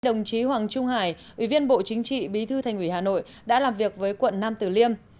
đồng chí hoàng trung hải ủy viên bộ chính trị bí thư thành ủy hà nội đã làm việc với quận nam tử liêm